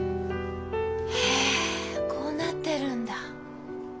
へえこうなってるんだ。